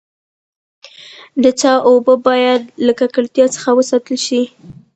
د څاه اوبه باید له ککړتیا څخه وساتل سي.